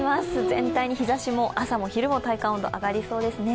全体に日ざしも朝も昼も体感温度、上がりそうですね。